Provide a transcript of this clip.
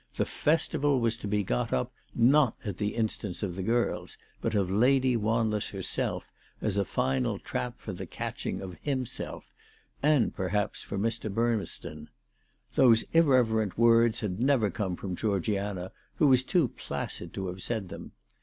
The festival was to be got up, not at the instance of the girls but of Lady Wanless herself, as a final trap for the catching of j, himself, and perhaps for Mr. Burmeston. Those irreverent words had never come from Georgiana, who was too placid to have said them.